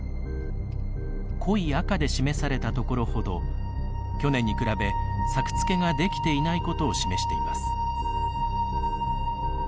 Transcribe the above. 濃い赤で示されたところほど去年に比べ作付けができていないことを示しています。